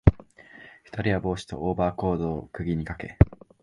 二人は帽子とオーバーコートを釘にかけ、